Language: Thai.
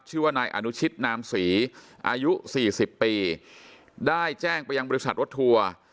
ชื่อว่านายอนุชิตนามศรีอายุสี่สิบปีได้แจ้งไปยังบริษัทรถทัวร์